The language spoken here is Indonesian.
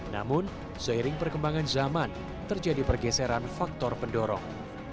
namun seiring perkembangan zaman terjadi pergeseran faktor pendorong